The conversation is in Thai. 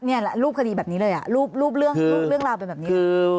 เนี่ยล่ะรูปคดีแบบนี้เลยอ่ะรูปรูปเรื่องเรื่องเล่าเป็นแบบนี้คือ